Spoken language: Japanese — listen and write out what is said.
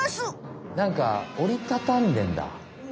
なんかおりたたんでんだ。